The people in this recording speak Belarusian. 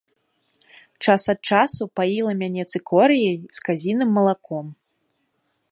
Час ад часу паіла мяне цыкорыяй з казіным малаком.